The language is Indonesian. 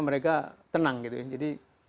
mereka tenang jadi